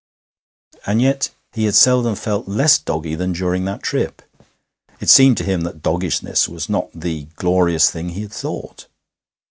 And yet he had seldom felt less doggy than during that trip. It seemed to him that doggishness was not the glorious thing he had thought.